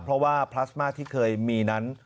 เพราะว่าพลาสมาที่เคยมีนั้น